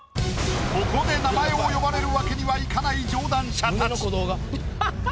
ここで名前を呼ばれるわけにはいかない上段者たち。